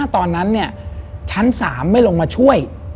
ตอนนั้นชั้น๓ไม่ลงมาช่วย